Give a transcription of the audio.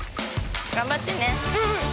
頑張ってね！